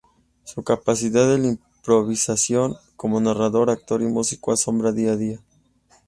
Su capacidad de improvisación como narrador, actor y músico asombra día a día.